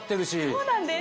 そうなんです。